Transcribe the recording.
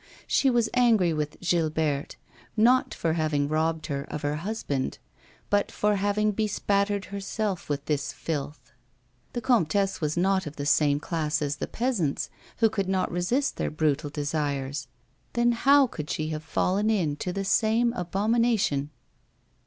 She was angry with Gilberte, not for having robbed her of her hus band, but for having bespattered herself with this filth. The comtesse was not of the same class as the peasants who could not resist their brutal desires ; then how could she have fallen into the same abomination